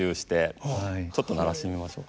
ちょっと鳴らしてみましょう。